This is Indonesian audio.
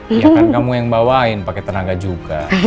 iya kan kamu yang bawain pakai tenaga juga